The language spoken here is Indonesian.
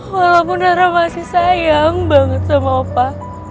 walaupun nara masih sayang banget sama opa